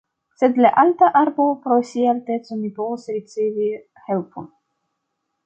Sed la alta arbo, pro sia alteco, ne povas ricevi helpon.